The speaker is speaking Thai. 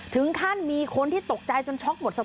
ถึงขั้นมีคนที่ตกใจจนช็อกหมดสติ